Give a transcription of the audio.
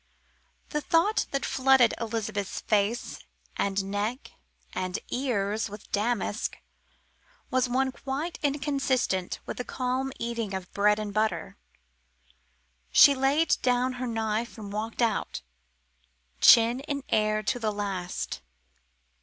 The thought that flooded Elizabeth's face and neck and ears with damask was one quite inconsistent with the calm eating of bread and butter. She laid down her knife and walked out, chin in air to the last.